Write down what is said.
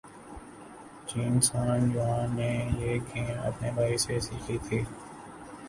چین San Yuan نے یہ game اپنے بھائی سے سیکھی تھی